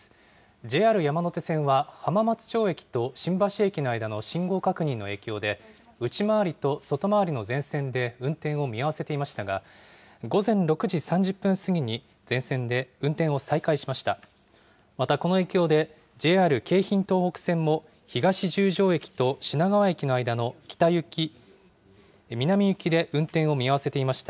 ＪＲ山手線は、浜松町駅と新橋駅の間の信号確認の影響で内回りと外回りの全線で運転を見合わせていましたが、午前６時３０分過ぎに全線で運転を再開しました。